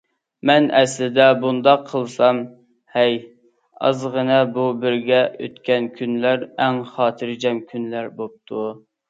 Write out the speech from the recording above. مەن ئەسلىدە بۇنداق قىلسام ھەي..... ئازغىنە بۇ بىرگە ئۆتكەن كۈنلەر ئەڭ خاتىرجەم كۈنلەر بوپتۇ.